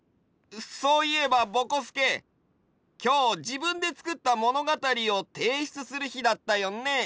そういえばぼこすけきょうじぶんでつくったものがたりをていしゅつするひだったよね。